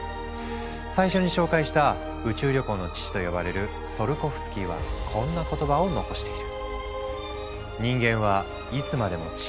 最初に紹介した「宇宙旅行の父」と呼ばれるツィオルコフスキーはこんな言葉を残している。